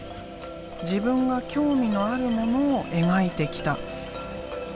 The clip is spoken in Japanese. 自分が興味のあるものを描いてきた。